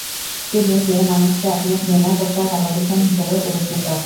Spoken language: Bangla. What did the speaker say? তিনি "যে মানুষকে আপনি ঘৃণা করতে ভালবাসেন" হিসেবে পরিচিত।